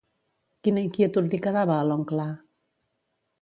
Quina inquietud li quedava a l'oncle?